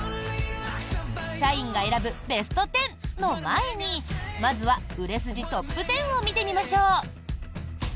社員が選ぶベスト１０の前にまずは売れ筋トップ１０を見てみましょう。